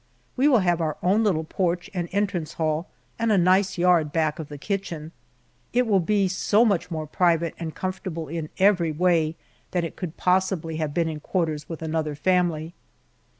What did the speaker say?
We will have our own little porch and entrance hall and a nice yard back of the kitchen. It will all be so much more private and comfortable in every way than it could possibly have been in quarters with another family.